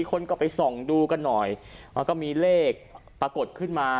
คนก็ไปส่องดูกันหน่อยมันก็มีเลขปรากฏขึ้นมา